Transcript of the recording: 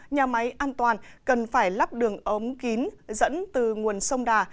nhà máy an toàn cần phải lắp đường ống kín dẫn từ nguồn sông đà